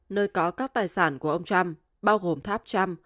nơi có các tài sản của ông trump bao gồm tháp chăm